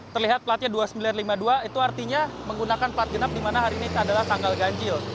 terlihat platnya dua ribu sembilan ratus lima puluh dua itu artinya menggunakan plat genap di mana hari ini adalah tanggal ganjil